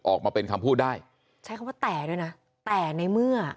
ออกมาเป็นคำพูดได้ใช้คำว่าแต่ด้วยนะแต่ในเมื่อ